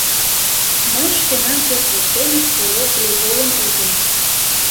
Мый шкенан пӧрт воктене стрелок Глеголым ужым.